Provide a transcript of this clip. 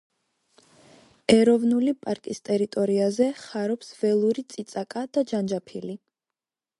ეროვნული პარკის ტერიტორიაზე ხარობს ველური წიწაკა და ჯანჯაფილი.